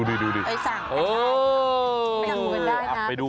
นี่นี่ดู